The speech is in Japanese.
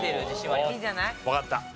わかった。